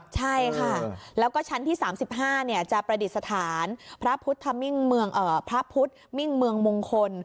ใช่ค่ะแล้วก็ชั้นที่๓๕จะประดิษฐานพระพุทธมิ่งเมืองมงคล